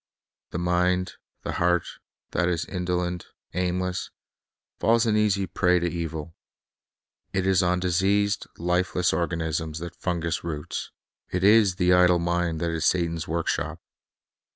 The mind, the heart, that is indolent, aimless, falls an easy prey to evil. It is on diseased, lifeless organisms that fungus roots. It is the idle mind th.it is Satan's workshop.